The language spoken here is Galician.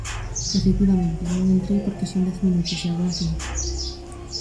Efectivamente, non entrei porque son dez minutos, e agora cinco.